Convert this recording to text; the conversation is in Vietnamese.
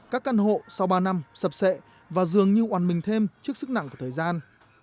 các căn hộ sau ba năm sập sệ và dường như oàn mình thêm trước sức nặng của thời gian